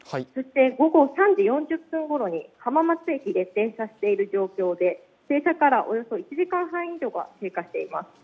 午後３時４０分ごろに浜松駅で停車している状況で、停車からおよそ１時間半以上が経過しています。